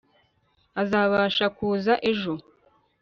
azabasha kuza ejo